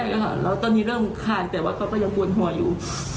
สิบวันแรกค่ะเถอะตอนนี้เริ่มคาญแต่ว่าก็ยังบุวนหัวอยู่